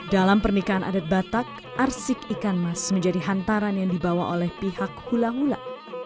dalam pernikahan adat batak arsik ikan mas menjadi hantaran yang dibawa oleh pihak hula hula